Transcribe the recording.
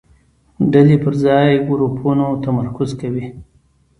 ډلې پر ځای ګروپونو تمرکز کوي.